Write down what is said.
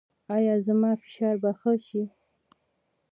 ایا زما فشار به ښه شي؟